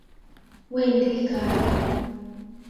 Wendi karon